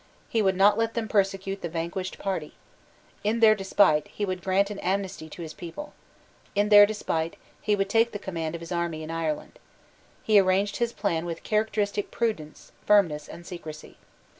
He would not let them persecute the vanquished party. In their despite, he would grant an amnesty to his people. In their despite, he would take the command of his army in Ireland. He arranged his plan with characteristic prudence, firmness, and secrecy.